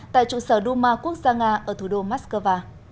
tại trụ sở duma quốc gia nga ở thủ đô moscow